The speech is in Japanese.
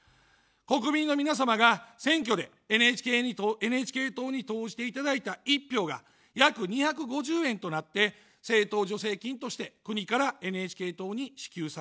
国民の皆様が選挙でＮＨＫ党に投じていただいた１票が約２５０円となって政党助成金として国からＮＨＫ党に支給されます。